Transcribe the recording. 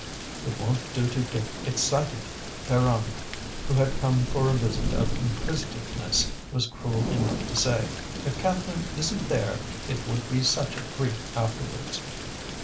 "It won't do to get excited," Pierronne, who had come for a visit of inquisitiveness, was cruel enough to say. "If Catherine isn't there, it would be such a grief afterwards!"